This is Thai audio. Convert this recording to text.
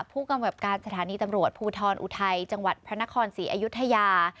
ผู้กำกับการสถานีตำรวจภูทรอุทัยจังหวัดพระนครศรีอยุธยา